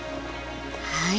はい。